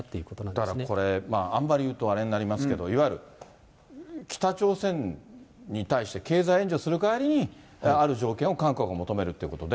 だからこれ、あんまり言うとあれになりますけど、いわゆる北朝鮮に対して経済援助するかわりに、ある条件を韓国が求めるということで。